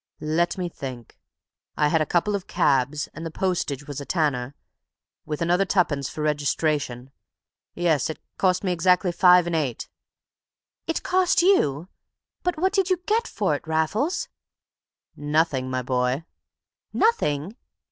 "Let me think. I had a couple of cabs, and the postage was a tanner, with another twopence for registration. Yes, it cost me exactly five and eight." "It cost you! But what did you get for it, Raffles?" "Nothing, my boy." "Nothing!"